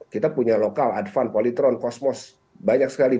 kita punya lokal advan polytron cosmos banyak sekali